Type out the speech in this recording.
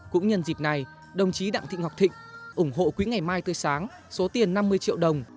cũng nhân dịp này đồng chí đặng thị ngọc thịnh ủng hộ quỹ ngày mai tươi sáng số tiền năm mươi triệu đồng